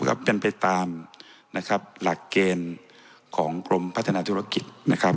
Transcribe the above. ก็เป็นไปตามนะครับหลักเกณฑ์ของกรมพัฒนาธุรกิจนะครับ